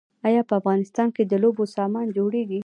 آیا په افغانستان کې د لوبو سامان جوړیږي؟